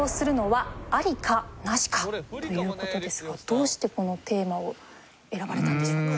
という事ですがどうしてこのテーマを選ばれたんでしょうか？